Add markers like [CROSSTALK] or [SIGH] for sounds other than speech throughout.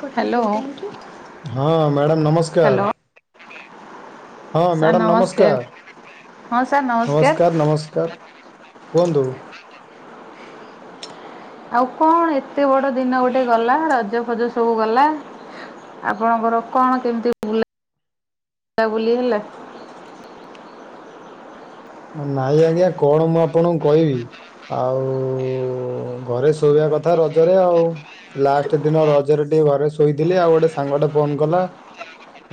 Good day thank ହଁ madam you. ନମସ୍କାର। ହଁ ମ୍ୟାଡ଼ାମ ନମସ୍କାର, ହଁ ସାର୍ ନମସ୍କାର, ନମସ୍କାର। କୁହନ୍ତୁ? ଆଉ କଣ ଏତେ ବଡ ଦିନ ଗୋଟେ ଗଲା। ରଜ ଫଜ ସବୁ ଗଲା। ଆପଣଙ୍କର କଣ କେମିତି ବୁ -ବୁଲାବୁଲି ହେଲା? ନାଇଁ ଆଜ୍ଞା କଣ ମୁଁ ଆପଣଙ୍କୁ କହିବି। ଆଉ ଓ ଘରେ ଶୋଇବା କଥା ରଜରେ ଆଉ। ଲାଷ୍ଟ ଦିନ ରଜରେ ଟିକେ ଘରେ ଶୋଇଥିଲି। ଆଉ ଗୋଟେ ସାଙ୍ଗଟେ ଫୋନ କଲା।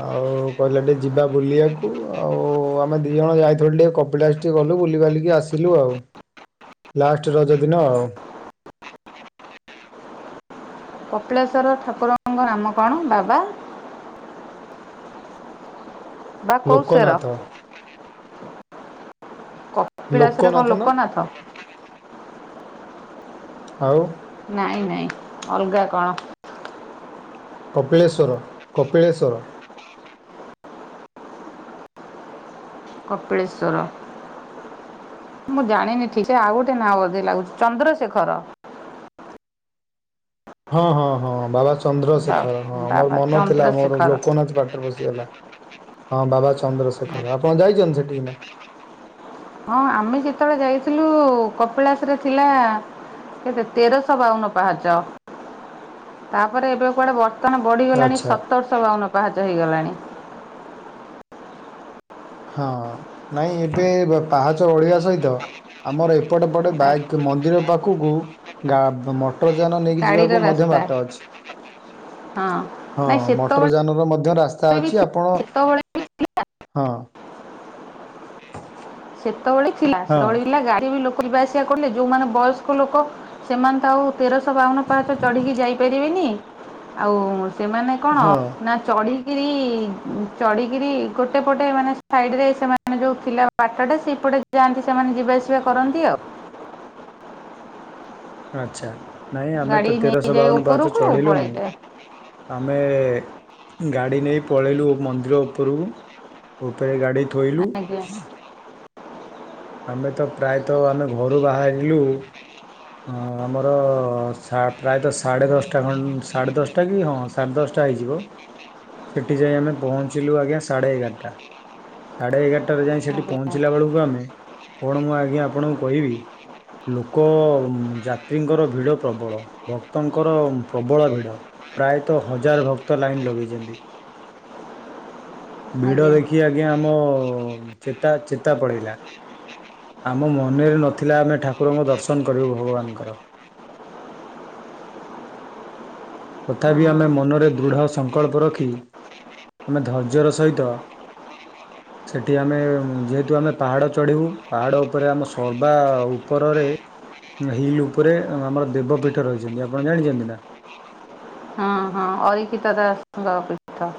ଆଉ କହିଲା ଟିକେ ଯିବା ବୁଲିବାକୁ ଆଉ। ଆମେ ଦି ଜଣ ଯାଇଥିଲୁ ଟିକେ କ କପିଳାସ ଟିକେ ଗଲୁ। ବୁଲି ବାଲିକି ଆସିଲୁ ଆଉ ଲାଷ୍ଟ ରଜ ଦିନ ଆଉ। କପିଳେଶ୍ୱର ଠାକୁରଙ୍କ ନାମ କଣ? ବାବା ବା କୋଉଁସେର? ଲୋକନାଥ କପିଳାସରେ କଣ ଲୋକନାଥ ନା ଆଉ ନାଇଁ ନାଇଁ ଅଲଗା କଣ? କପିଳେଶ୍ୱର କପିଳେଶ୍ୱର। କପିଳେଶ୍ୱର। ମୁଁ ଜାଣିନି ଠିକ ସେ ଆଉ ଗୋଟେ ନାଁ ବୋଧେ ଲାଗୁଛି ଚନ୍ଦ୍ରଶେଖର। ହଁ, ହଁ, ହଁ ବାବା ଚନ୍ଦ୍ରଶେଖର ହଁ ମୋର ବାବା ମନ ଥିଲା ମୋର ଚନ୍ଦ୍ରଶେଖର ଲୋକନାଥ ପାଟିରେ ପସିଗଲା। ହଁ ବାବା ଚନ୍ଦ୍ରଶେଖର। ଆପଣ ଯାଇଛନ୍ତି ସେଠିକି ନା? ହଁ ଆମେ ଯେତେବେଳେ ଯାଇଥିଲୁ କପିଳାସ ରେ ଥିଲା କେତ ତେରଶହ ବାଉନ ପାହାଚ। ତାପରେ ଏବେ କୁଆଡେ ବ ଦୋକାନ ବଢ଼ିଗଲାଣି ଆଚ୍ଛା ସତରଶହ ବାଉନ ପାହାଚ ହେଇଗଲାଣି। ହଁ ନାଇଁ ଏବେ ପାହାଚ ଓଳେଇବା ସହିତ ଆମର ଏପଟେ ପଟେ ବାଇକ୍ ମନ୍ଦିର ପାଖକୁ ଗା ଅଟ ଯାନ ନେଇକି ଗାଡିର ଯିବାକୁ ମଧ୍ୟ ରାସ୍ତା ବାଟ ଅଛି। ହଁ ହଁ ନାଇଁ ମଟର ସେତେବେଳେ ଯାନ ର ମଧ୍ୟ ରାସ୍ତା ବି ଅଛି। ଥିଲା ଆପଣ ସେତେବେଳେ ବି ହଁ। ସେତେବେଳେ ଥିଲା ହଁ ସେତବେଳେ [UNINTELLIGIBLE] ଯିବା ଆସିବା କଲେ ଯେଉଁମାନେ ବୟସ୍କ ଲୋକ ସେମାନେ ତ ଆଉ ତେରଶହ ବାଉନ ପାହାଞ୍ଚ ଚଢ଼ିକି ଯାଇପାରିବେନି ଆଉ ସେମାନେ କଣ ହଁ। ନା ଚଢ [UNINTELLIGIBLE] ଚଢିକିରି ଗୋଟେ ପଟେ ମାନେ ସାଇଡ ରେ ସେମାନେ ଯୋଉ ଥିଲା ବାଟଟା ସେପଟେ ଯାଆନ୍ତି ସେମାନେ ଯିବାଆସିବା କରନ୍ତି ଆଉ। ଆଚ୍ଛା ନାଇଁ ଆମେ ଗାଡି ତ ତେରଶହ ନେଇଯାଏ ବାଉନୁ ପାହାଚ ଉପରକୁ ଚଢିଲୁନୁ। ପଳେଇଯାଏ ଆମେ ଗାଡ଼ି ନେଇ ପଳେଇଲୁ ମନ୍ଦିର ଉପରକୁ। ଉପରେ ଗାଡି ଥୋଇଲୁ। ଆଜ୍ଞା ଆମେ ତ ପ୍ରାୟତଃ ଆମେ ଘରୁ ବାହାରିଲୁ। ହଁ ଆମର ପ୍ରାୟତଃ ସାଢ଼େ ଦଶଟା ଖଣ୍ଡେ ସାଢ଼େ ଦଶଟା କି ହଁ। ସାଢ଼େ ଦଶଟା ହେଇଯିବ ସେଠି ଯାଇ ଆମେ ପହଞ୍ଚିଲୁ ଆଜ୍ଞା ସାଢ଼େ ଏଗାରଟା। ସାଢ଼େ ଏଗାରଟାରେ ଯାଇ ସେଇଠି ଆଜ୍ଞା। ପହଞ୍ଚିଲା ବେଳକୁ ଆମେ କଣ ମୁଁ ଆଜ୍ଞା ଆପଣଙ୍କୁ କହିବି? ଲୋକ ଯାତ୍ରୀଙ୍କର ଭିଡ଼ ପ୍ରବଳ ଭକ୍ତଙ୍କର ପ୍ରବଳ ଭିଡ଼। ପ୍ରାୟତଃ ହଜାର ଭକ୍ତ ଲାଇନ୍ ଲଗେଇଛନ୍ତି। [UNINTELLIGIBLE] ଭିଡ଼ ଆଜ୍ଞା ଦେଖି ଆଜ୍ଞା ଆମ ଚେତା ଚେତା ପଳେଇଲା। ଆମ ମନରେ ନଥିଲା ଆମେ ଠାକୁରଙ୍କ ଦର୍ଶନ କରିବୁ ଭଗବାନଙ୍କର। ତଥାପି ଆମେ ମନରେ ଦୃଢ଼ ସଂକଳ୍ପ ରଖି ଆମେ ଧୈର୍ଯ୍ୟର ସହିତ ଆ [UNINTELLIGIBLE] ସେଠି ଆମେ ଯେହେତୁ ଆମେ ପାହାଡ଼ ଚଢ଼ିବୁ ପାହାଡ଼ ଉପରେ ଆମ ସର୍ବା ଉପରରେ ହିଲ୍ ଉପରେ ଆମର ଦେବପୀଠ ରହିଛନ୍ତି ଆପଣ ଜାଣିଛନ୍ତି ନା। ଅରକ୍ଷିତ ଦାସ ଙ୍କ ପିଠ।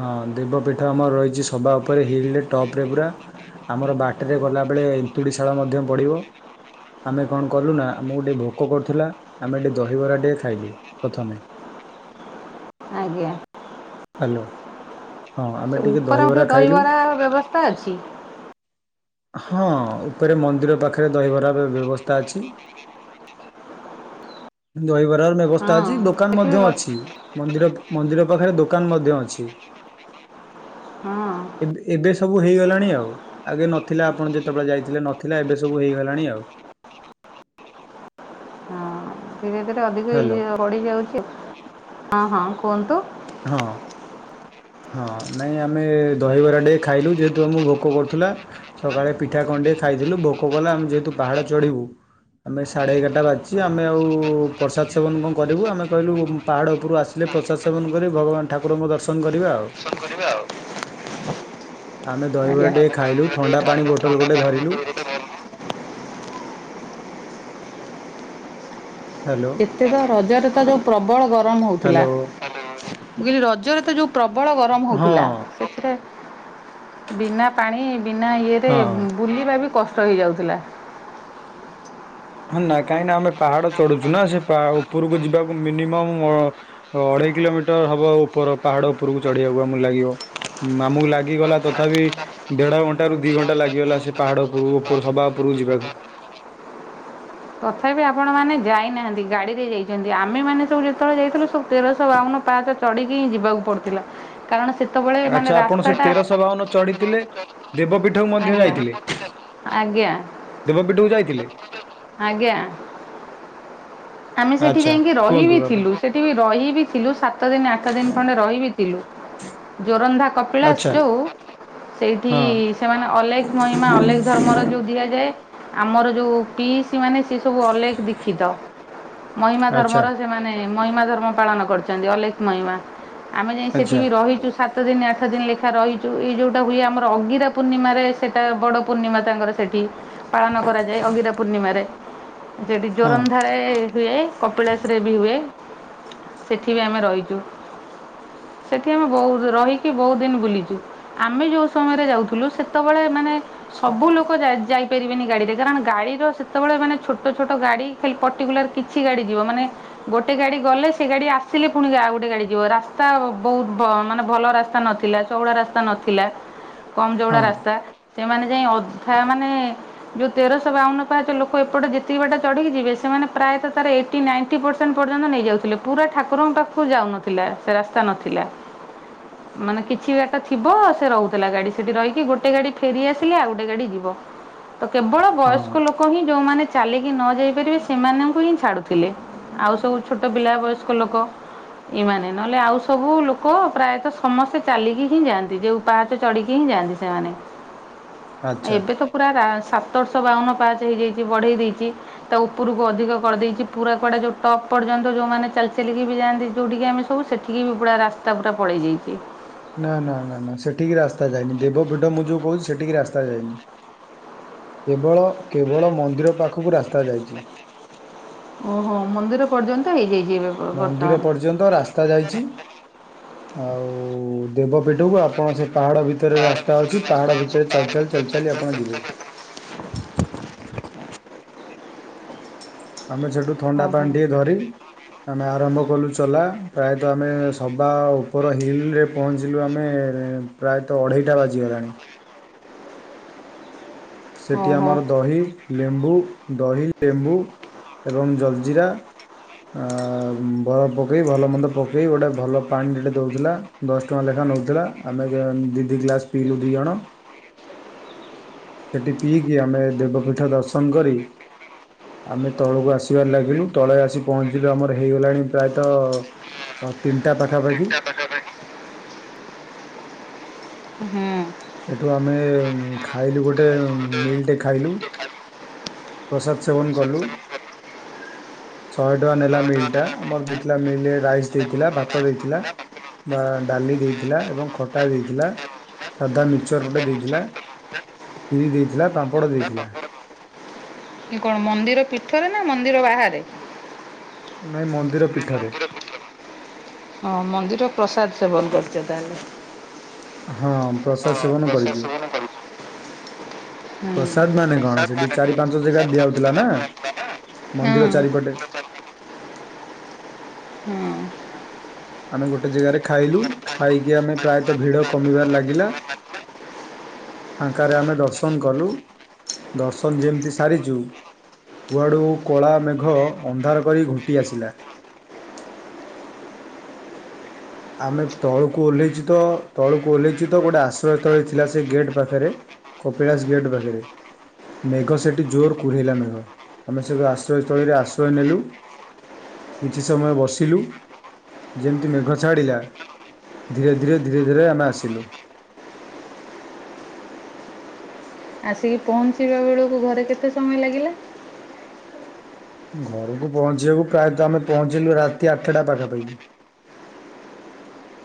ହଁ ଦେବପୀଠ ଆମର ରହିଛି ସବା ଉପରେ ହିଲରେ ଟପରେ ପୁରା। ଆମର ବାଟରେ ଗଲାବେେଳେ ଏନ୍ତୁଡ଼ି ଶାଳ ମଧ୍ୟ ପଡିବ। ଆମେ କଣ କଲୁ ନା ଆମକୁ ଗୋଟିଏ ଭୋକ କରୁଥିଲା ଆମେ ଟିକେ ଦହିବରା ଟିକଏ ଖାଇଲୁ ପ୍ରଥମେ। ଆଜ୍ଞା। ହ୍ୟାଲୋ। ହଁ ଆମେ ଟିକେ ଉପରେ ମଧ୍ୟେ ଦହିବରା ଖାଇଲୁ ଦହିବାର ବ୍ୟବସ୍ଥା ଅଛି। ହଁ ଉପରେ ମନ୍ଦିର ପାଖରେ ଦହିବରା ବ୍ୟବସ୍ଥା ଅଛି। ଦହିବରାର ବ୍ୟବସ୍ଥା ହଁ ଅଛି ଦୋକାନ ଏଠି ବି ମଧ୍ୟ ଅଛି। ବର୍ଷ ମନ୍ଦିର ମନ୍ଦିର ପାଖରେ ଦୋକାନ ମଧ୍ୟ ଅଛି। ହଁ। ଏବେ ଏବେ ସବୁ ହେଇଗଲାଣି ଆଉ ଆଗେ ନ ନଥିଲା ଆପଣ ଯେତେବେଳେ ଯାଇଥିଲେ ନଥିଲା ଏବେ ସବୁ ହେଇଗଲାଣି ଆଉ। ହଁ ଧୀରେ ଧୀରେ ଅଧିକ ହ୍ୟାଲୋ ବଡି ଯାଉଛି ହଁ ହଁ କୁହନ୍ତୁ। ହଁ। ହଁ ନାଇଁ ଆମେ ଦହିବରା ଟେ ଖାଇଲୁ ଯେହେତୁ ଆମକୁ ଭୋକ କରୁଥିଲା। ସକାଳେ ପିଠା କଣ୍ଣ୍ଡେଇ ଖାଇଥିଲୁ ଭୋକ କଲେ ଆମେ ଯେହେତୁ ପାହାଡ଼ ଚଢିବୁ। ଆମେ ସାଢ଼େ ଏଗାରଟା ବାଜିଛି ଆମେ ଆଉ ପ୍ରସାଦ ସେବନ କଣ କରିବୁ ଆମେ କହିଲୁ ପାହାଡ଼ ଉପରୁ ଆସିଲେ ପ୍ରସାଦ ସେବନ କରି ଭଗବାନ ଠାକୁରଙ୍କ ଦର୍ଶନ କରିବା ଆଉ। ଆମେ ଆଜ୍ଞା। ଦହିବରା ଟିକେ ଖାଇଲୁ ଥଣ୍ଡା ପାଣି ବୋଟଲ ଗୋଟେ ଧରିଲୁ। ହ୍ୟାଲୋ ଏତେ ତ ରଜରେ ତ ଯେୋଉ ପ୍ରବଳ ଗରମ ହଉଥିଲା। ହ୍ୟାଲୋ କହିଲି ରଜରେ ତ ଯୋଉ ପ୍ରବଳ ଗରମ ହଁ ହଉଥିଲା ସେଥିରେ ବିନା ପାଣି ବିନା ଇଏରେ ହଁ। ବୁଲିବା ବି କଷ୍ଟ ହେଇଯାଉଥିଲା। ହଁ ନାଁ କାହିଁକି ନା ଆମେ ପାହାଡ଼ ଚଢୁଛୁ ନା ସେ ପା ଉପରକୁ ଯିବାକୁ ମିନିମମ୍ ଅଢେଇ କିଲୋମିଟର ହବ ଉପର ପାହାଡ ଉପରକୁ ଚଢିବାକୁ ଆମକୁ ଲାଗିବ। ଆମୁକୁ ଲାଗିଗଲା ତଥାପି ଦେଢ ଘଣ୍ଟା ରୁ ଦି ଘଣ୍ଟା ଲାଗିଗଲା ସେ ପାହାଡ ଉପ ଉପ ସଭା ଉପରକୁ ଯିବାକୁ। ତଥାପି ଆପଣମାନେ ଯାଇନାହାନ୍ତି ଗାଡ଼ିରେ ଯାଇଛନ୍ତି ଆମେମାନୋନ ସବୁ ଯେତେବେଳେ ଯାଇଥିଲୁ ସବୁ ତେରଶହ ବାଉନ ପାହଚ ଚଢିକି ହିଁ ଯିବାକୁ ପଡୁଥିଲା। କାରଣ ସେତେବେଳେ ମାନେ ଆଚ୍ଛା ଆପଣ ସେ ରାସ୍ତାଟା ତେରଶହ ବାଉନ ଚଢିଥିଲେ। ଦେବପୀଠକୁ ମଧ୍ୟ ଆଜ୍ଞା। ଯାଇଥିଲେ ଆଜ୍ଞା ଦେବପୀଠକୁ ଯାଇଥିଲେ। ଆଜ୍ଞା। ଆମେ ସେଠି ଆଚ୍ଛା ଯାଇକି ରହି କୁହନ୍ତୁ ବିି ଆପଣ ଥିଲୁ ସେଠି ବି ରହି ବିି ଥିଲୁ ସାତ ଦିନ ଆଠ ଦିନ ଖଣ୍ଡେ ରହିବି ଥିଲୁ ଜୋରନ୍ଧା ଆଚ୍ଛା କପିଳାସ ଯୋଉ ସେଇଠି ହଁ ସେମାନେ ଅଲେଖ ମହିମା ଅଲେକ ଧର୍ମର ଯୋଉ ଦିଆଯାଏ। ଆମର ଯୋଉ ପି ସ ମାନେ ସି ସବୁ ଅଲକ ଦୀଖିତ। ମହିମା ଆଚ୍ଛା ଧର୍ମର ସେମାନେ ମହିମା ଧର୍ମ ପାଳନ କରିଛନ୍ତି ଅଲେଖ ମହିମା। ଆମେ ଯାଇ ସେଠି ଆଚ୍ଛା ବି ରହିଛୁ। ସାତ ଦିନ ଆଠ ଦିନ ଲେଖା ରହିଚୁ ଏଇ ଯୋଉଟା ହୁଏ ଆମର ଅଗିରା ପୂର୍ଣ୍ଣିମାରେ ସେଟା ବଡ ପୂର୍ଣ୍ଣିମା ତାଙ୍କର ସେଠି ପାଳନ କରାଯାଏ ଅଗିରା ପୂର୍ଣ୍ଣିମାରେ ସେଠି ହଁ ଜୋରନ୍ ାରେ ହୁଏ କପିଳାଶରେ ବି ହୁଏ ସେଠି ବି ଆମେ ରହିଚୁ। ସେଠି ଆମେ ବହୁ ରହିକି ବହୁତ ଦିନ ବୁଲିଛୁ। ଆମେ ଯେଉ ସମୟରେ ଯାଉଥିଲୁ ସେତେବେଳେ ମାନେ ସବୁ ଲୋକ ଯାଇପାରିବେନି ଗାଡିରେ କାରଣ ଗାଡିର ସେତେବେଳେ ମାନେ ଛୋଟ ଛୋଟ ଗାଡି ଖାଲି ପର୍ଟିକୁଲାର କିଛି ଗାଡ଼ି ଯିବ ମାନେ ଗୋଟେ ଗାଡି ଗଲେ ସେ ଗାଡି ଆସିଲେ ପୁଣି ଆଉ ଗୋଟେ ଗାଡି ଯିବ ରାସ୍ତା ବହୁତ ମାନେ ଭଲ ରାସ୍ତା ନଥିଲା। ଚଉଡ଼ା ରାସ୍ତା ନଥିଲା କମ ଚଉଡ଼ା ହଁ ରାସ୍ତା। ସେମାନେ ଯାଇ ଅଧା ମାନେ ଯୋଉ ତେରଶହ ବାଉନ ପାଞ୍ଚ ଲୋକ ଏପଟେ ଯେତିକି ବାଟା ଚଢିକି ଯିବେ ସେମାନେ ପ୍ରାୟତଃ ତାର ଏଇ ନାଇ ପରସେଣ୍ଟ ପର୍ଯ୍ୟନ୍ତ ନେଇ ଯାଉଥିଲେ ପୁରା ଠାକୁରଙ୍କ ପାଖକୁ ଯାଉନଥିଲେ। ଥିଲା ସେ ରାସ୍ତା ନଥିଲା। ମାନେ କିଛି ବାଟ ଥିବ ସେ ରହୁଥିଲା ଗାଡ଼ି ସେଇଠି ରହିକି ଗୋଟେ ଗାଡ଼ି ଫେରିଆସିଲେ ଆଉ ଗୋଟେ ଗାଡ଼ି ଯିବ। ତ କେବଳ ହଁ ବୟସ୍କ ଲୋକ ହିଁ ଯୋଉମାନେ ଚାଲିକି ନ ଯାଇପାରିବେ ସେମାନଙ୍କୁ ହିଁ ଛାଡ଼ୁଥିଲେ ଆଉ ସବୁ ଛୋଟ ପିଲା ବୟସ୍କ ଲୋକ ଏମାନେ ନହେଲେ ଆଉ ସବୁ ଲୋକ ପ୍ରାୟତଃ ସମସ୍ତେ ଚାଲିକି ହିଁ ଯାଆନ୍ତି ଯୋଉ ପାହାଠ ଚଢ଼ିକି ହିଁ ଯାଆନ୍ତି ସେମାନେ। ଆଚ୍ଛା ଏବେ ତ ପୁରା ସାତରଶହ ବାଉନ ପାଚ ହେଇଯାଇଛି ବଢେଇ ଦେଇଛି। ତା ଉପରକୁ ଅଧିକ କରିଦେଇଛି ପୁରା କୁଆଡ଼ା ଯେଉଁ ଟପ୍ର୍ଯ୍ୟ ଯେଉଁମାନେ ଚାଲିକି ବି ଯାଆନ୍ତି ଯେଉଁଠିକି ଆମେ ସବୁ ସେଠିକି ବି ପୁରା ରାସ୍ତା ପୁରା ପଳେଇ ଯାଇଛି। ନା ନା ନା ନା ସେଠିକି ରାସ୍ତା ଯାଇନି ଦେବପୀଠ ମୁଁ ଯେଉଁ କହୁଛି ସେଠିକି ରାସ୍ତା ଯାଇନି। କେବଳ କେବଳ ମନ୍ଦିର ପାଖକୁ ରାସ୍ତା ଯାଇଛି। ଓହୋ ମନ୍ଦିର ପର୍ଯ୍ୟନ୍ତ ହେଇଯାଇଛି ଏବେ। ବ- ମନ୍ଦିର ବର୍ତ୍ତମାନ। ପର୍ଯ୍ୟନ୍ତ ରାସ୍ତା ଯାଇଛି ଆଉ ଦେବପୀଠକୁ ଆପଣ ସେ ପାହାଡ଼ ଭିତରେ ରାସ୍ତା ଅଛି ପାହାଡ଼ ଭିତରେ ଚାଲି ଚାଲି ଚାଲି ଚାଲି ଆପଣ ଯିବେ। ହଁ [UNINTELLIGIBLE] ଆମେ ସେଠୁ ଥଣ୍ଡା ଓହୋ। ପାଣି ଟିକଏ ଧରି ଆମେ ଆରମ୍ଭ କଲୁ ଚଲା ପ୍ରାୟତଃ ଆମେ ସବା ଉପର ହିଲ୍ରେରେ ପହଞ୍ଚିଲୁ ଆମେ ପ୍ରାୟତଃ ଅଢ଼େଇଟା ବାଜିଗଲାଣି। ସେଠି ଓହୋ। ଆମର ଦହି ଲେମ୍ବୁ ଦହି ଲେମ୍ବୁ ଏବଂ ଜଲଜିିରା। ବରଫ ପକାଇ ଭଲ ମନ୍ଦ ପକାଇ ଗୋଟେ ଭଲ ପାଣି ଟିକେ ଦେଉଥିଲା। ଦଶ ଟଙ୍କା ଲେଖା ନେଉଥିଲା ଆମେ ଦୁଇ ଦୁଇ ଗ୍ଲାସ୍ ପିଇଲୁ ଦୁଇ ଜଣ। ସେଇଠି ପିଇକି ଆମେ ଦେବପୀଠ ଦର୍ଶନ କରି ଆମେ ତଳକୁ ଆସିବାରେ ଲାଗିଲୁ ତଳେ ଆସି ପହଞ୍ଚିଲୁ ଆମର ହେଇଗଲାଣି ପ୍ରାୟତଃ ହଁ ତିନିଟା ପାଖାପାଖି [UNINTELLIGIBLE] ହୁଁ। ସେଠୁ ଆମେ ଉଁ ଖାଇଲୁ ଗୋଟେ ଉଁ ମିଲଟେ ଖାଇଲୁ। ପ୍ରସାଦ ସେବନ କଲୁ। ଶହେ ଟଙ୍କା ନେଲା ମିଲି ଟା ଆମର ଦେଇଥିଲା ମିଲି ରାଇସ୍ ଦେଇଥିଲା ଭାତ ଦେଇଥିଲା ବା ଡାଲି ଦେଇଥିଲା ଏବଂ ଖଟା ଦେଇଥିଲା। ସାଧା ମିକଚର ଗୋଟେ ଦେଇଥିଲା କ୍ଷୀରି ଦେଇଥିଲା ପାମ୍ପଡ଼ ଦେଇଥିଲା। କଣ ମନ୍ଦିର ପୀଠରେ ନା ମନ୍ଦିର ବାହାରେ? ନାଇଁ ମନ୍ଦିର ପୀଠରେ। ହଁ ମନ୍ଦିର ପ୍ରସାଦ ସେବନ କରିଛ ତାହେଲେ? ହଁ ପ୍ରସାଦ ସେବନ କରିଚୁ। ହୁଁ ପ୍ରସାଦ ମାନେ କଣ ସେଠି ଚାରି ପାଞ୍ଚ ଜାଗାରେ ଦିଆ ହୋଉଥିଲା ନା ମନ୍ଦିର ଚାରିପଟେ ହୁଁ। ଆମେ ଗୋଟେ ଜାଗାରେ ଖାଇଲୁ ଖାଇକି ଆମେ ପ୍ରାୟତଃ ଭିଡ କମିବାରେ ଲାଗିଲା। ଫାଙ୍କାରେ ଆମେ ଦର୍ଶନ କଲୁ ଦର୍ଶନ ଯେମିତି ସାରିଛୁ କୁଆଡ଼ୁ କଳା ମେଘ ଅନ୍ଧାର କରି ଘୁଟି ଆସିଲା। ଆମେ ତଳକୁ ଓହ୍ଲେଇଛୁ ତଳକୁ ଓହ୍ଲେଇଛୁ ତ ଗୋଟେ ଆଶ୍ରୟ ଥଳୀ ଥିଲା ସେ ଗେଟ୍ ପାଖରେ। କପିଳାସ ଗେଟ୍ ପାଖରେ। ମେଘ ସେଠି ଜୋର କୁରହେଇଲା ମେଘ ଆମେ ସେଠୁ ଆଶ୍ରୟସ୍ଥଳୀରେ ଆଶ୍ରୟ ନେଲୁ। କିଛି ସମୟ ବସିଲୁ ଯେମିତି ମେଘ। ଚାଡ଼ିଲା ଧୀରେ ଧୀରେ ଧୀରେ ଧୀରେ ଆମେ ଆସିଲୁ। ଆସିକି ପହଞ୍ଚିବା ବେଳକୁ ଘରେ କେତେ ସମୟ ଲାଗିଲା? ଘରକୁ ପହଞ୍ଚିବାକୁ ପ୍ରାୟତ ଆମେ ପହଞ୍ଚିଲୁ ରାତି ଆଠଟା ପାଖାପାଖି।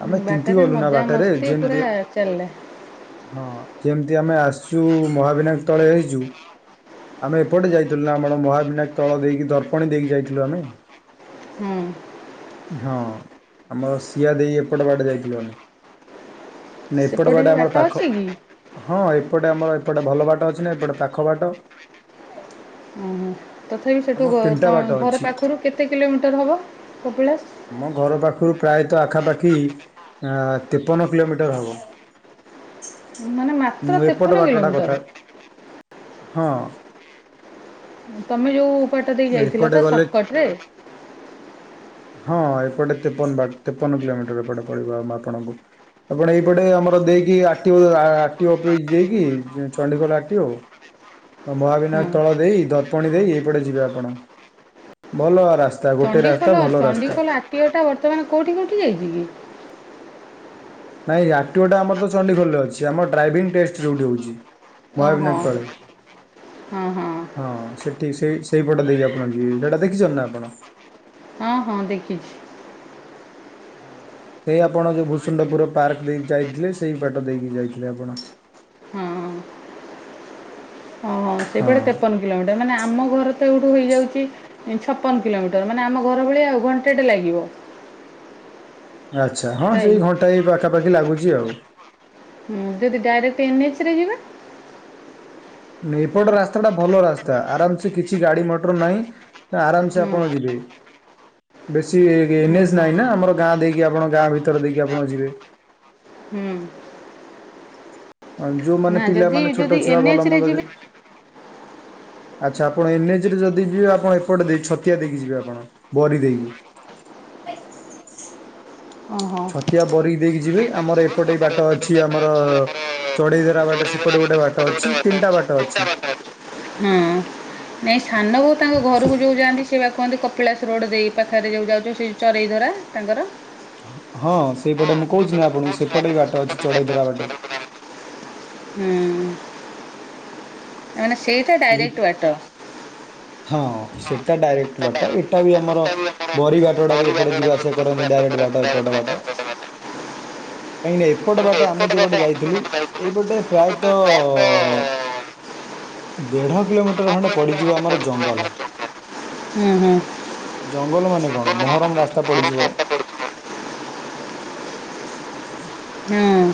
ଆମେ ତିନ୍ତି ବାଟରେ ଗଲୁ ନା ମଜା ବାଟରେ ମସ୍ତି ପୁରା ଯେମିତି। ଚାଲିଲା। ହଁ ଯେମିତି ଆମେ ଆସିଛୁ ମହାବିନାୟକ ତଳେ ହେଇଛୁ। ଆମେ ଏପଟେ ଯାଇଥିଲୁ ନା ଆମର ମହାବିନାୟକ ତଳ ଦେଇକି ଦର୍ପଣୀ ଦେଇକି ଯାଇଥିଲୁ ଆମେ। ହୁଁ। ହଁ ଆମର ସିଆ ଦେଇ ଏପଟ ବାଟେ ଯାଇଥିଲୁ ଆମେ। ନେ ଏପଟେ ସେପଟେ ବି ପଟେ ବାଟ ଆମର ପାଖ। ଅଛି କି? ହଁ ଏପଟେ ଆମର ଏପଟେ ଭଲ ବାଟ ଅଛି ନା ଏପଟେ ପାଖ ବାଟ। ହୁଁ। ତଥାପି ସେଠୁ ଆମର ଗ ତିନିଟା ବାଟ ତମ ଘର ଅଛି ପାଖରୁ କେତେ କିଲୋମିଟର ହବ କପିଳାସ? ଆମ ଘର ପାଖରୁ ପ୍ରାୟତଃ ଆଖାପାଖି ତେପନ କିଲୋମିଟର ହବ। ମାନେ ମା ମୁଁ ଏପଟ ବାଟଟା କଥା ହଁ। ତମେ ଯୋଉ ବାଟ ଦେଇ ଉଁ ଯାଇଥିଲ ତ ଏପଟେ ଗଲେ। ସର୍ଟକଟ [INAUDIBLE] ହଁ ଏପଟେ ତେପନ ବା ତେପନ କିଲୋମିଟର ଏପଟେ ପଳିବ ଆମ ଆପଣଙ୍କୁ। ଆପଣ ଏଇପଟେ ଆମର ଦେଇକି ଆ ଟି ଆ ଆ ଟିି ଅଫିସ ଦେଇକି ଜ ଚଣ୍ଡିଖୋଲ ଆ ଟି ଓ। ମହାବିନାୟ ହଁ ତଳ ଦେଇ ଦର୍ପଣୀ ଦେଇ ଏଇପଟେ ଯିବେ ଆପଣ, ଭଲ ରାସ୍ତ ଜାଉ ଗୋଟେ ରାସ୍ତା ଭଲ ରାସ୍ତା। ପିଓଟା ବର୍ତ୍ତମାନ କୋଉଠି କଟି ଯାଇଛି କି? ନାଇଁ ଅପ୍ଟିଅର ଟା ଆମର ତ ଚଣ୍ଡିଖୋଲ୍ ରେ ଅଛି ଆମର ଡ୍ରାଇଭିଂ ଟେଷ୍ଟ ଯୋଉଠି ହଉଛି। ଓହୋ ମହାବିନାୟ ତଳେ। ହଁ ସେଠି ସେଇ ସେଇପଟ ଦେଇକି ଆପଣ ଯିବେ ସେଇଟା ଦେଖିଛଛନ୍ତି ନା ଆପଣ। ହଁ ହଁ ଦେଖିଛି। ସେଇ ଆପଣ ଯୋଉ ଭୂସୁଣ୍ଣ୍ଡପୁର ପାର୍କ ଦେଇକି ଯାଇଥିଲେ ସେଇ ବାଟ ଦେଇକି ଯାଇଥିଲେ ଆପଣ। ହୁଁ ହ। ହଁ ସେହିପଟେ ତେପନ କିଲୋମିଟର ମାନେ ଆମ ଘର ତ ଏଇଠୁ ହୋଇଯାଉଛି। ଛପନ କିଲୋମିଟର ମାନେ ଆମ ଘର ଭଳିଆ ଆଉ ଘଣ୍ଟେଟେ ଲାଗିବ। ଆଚ୍ଛା ହଁ ଟାଇମ୍। ସେଇ ଘଣ୍ଟା ଏ ପାଖାପାଖି ଲାଗୁଛି ଆଉ। ହ ଯଦି ଡାଇରେକ୍ଟ ଏନ୍ଏଚ ରେ ଯିବା ନଁ ଏପଟ ରାସ୍ତା ଟା ଭଲ ରାସ୍ତା ଆରାମ ସେ କିଛି ଗାଡି ମଟର ନାହିଁ। ନା ଆରାମସ ହୁଁ ଆପଣ ଯିବେ। ବେଶୀ ହୁଁ ନେଜ ହୁଁ। ନାହିଁ ନା ଆମର ଗାଁ ଦେଇକି ଆପଣ ଗାଁ ଭିତରେ ଦେଇକି ଆପଣ ଯିବେ। ହୁଁ ଯୋଉମାନେ ନା ଯଦି ପିଲାମାନେ ଛୋଟ ଯଦି ଛୁଆ ଭଲ ଏନ୍ଏଚ ରେ ମନ୍ଦ ଯିବେ ଆଚ୍ଛା ଆପଣ ଏନ୍ଏଚ ରେ ଯଦି ଯିବେ ଆପଣ ଏପଟେ ଦେଇ ଛତିଆ ଦେଇକି ଯିବେ ଆପଣ ବରି ଦେଇକି। ଓହୋ ଛତିଆ ବରିକି ଦେଇକି ଯିବେ ଆମର ଏପଟେ ବାଟ ଅଛି ଆମର ଚଢେଇ ଧରା ବାଟ ସେପଟେ ଗୋଟେ ବାଟ ଅଛି ତିନିଟା ବାଟ ଅଛି। ହଁ ନାଇଁ ସାନ ବୋଉ ତାଙ୍କ ଘରକୁ ଯାଉ ଯାଆନ୍ତି ସେଏ ବା କୁହନ୍ତି କପିଳାସ ରୋଡ ଦେଇ ପାଖରେ ଯଉଁ ଯାଉଛ ସେ ଚରଇ ଧରା ତାଙ୍କର। ହଁ ସେଇପଟେ ମୁଁ କହୁଛି ନା ଆପଣଙ୍କୁ ସେପଟେ ବି ବାଟ ଅଛି ଚଢେଇ ଧରା ବାଟେ। ହୁଁ। ମାନେ ସେଇଟା ଏ ଡାଇରେକ୍ଟ ବାଟ। ହଁ ସେଇଟା ଡାଇରେକ୍ଟ ବାଟ ଏଇଟା ବି ଆମର ବରି ବାଟା ବି ଏପଟେ ଯିବା ଆସିବା କରନ୍ତୁ ଡାଇରେକ୍ଟ ବାଟ ଏପଟ ବାଟ। କାହିଁକିନା ଏପଟେ ବାଟେ ଆମେ ଯେଉଁ ଗଟେ ଯାଇଥିଲୁ ଏଇପଟେ ପ୍ରାୟତଃ ଦେଢ କିଲୋମିଟର ଖଣ୍ଡେ ପଡିଯିବ ଆମର ଜଙ୍ଗଲ। ହୁଁ ହୁଁ। ଜଙ୍ଗଲ ମାନେ କଣ? ମହରମ୍ ରାସ୍ତା ପଡ଼ିଯିବ। ହଁ